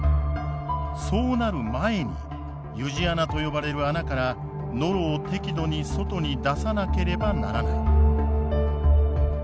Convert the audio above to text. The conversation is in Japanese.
そうなる前に湯路穴と呼ばれる穴からノロを適度に外に出さなければならない。